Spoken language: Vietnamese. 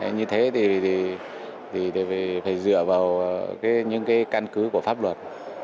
như thế thì phải dựa vào những cái căn cứ của pháp luật